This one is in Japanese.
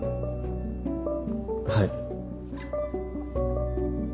はい。